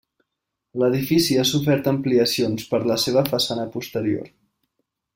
L'edifici ha sofert ampliacions per la seva façana posterior.